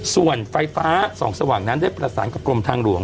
ส่วนไฟฟ้าส่องสว่างนั้นได้ประสานกับกรมทางหลวง